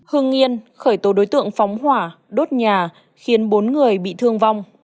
hương nghiên khởi tố đối tượng phóng hỏa đốt nhà khiến bốn người bị thương vong